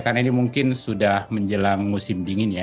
karena ini mungkin sudah menjelang musim dingin ya